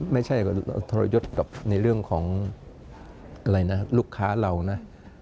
ไม่ใช่ทรยศกับในเรื่องของลูกค้าเรานะ